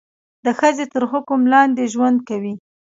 د ښځې تر حکم لاندې ژوند کوي.